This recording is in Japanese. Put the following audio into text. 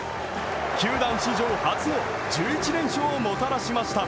球団史上初の１１連勝をもたらしました。